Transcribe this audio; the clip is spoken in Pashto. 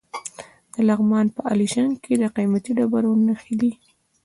د لغمان په علیشنګ کې د قیمتي ډبرو نښې دي.